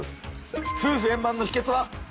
夫婦円満の秘けつは？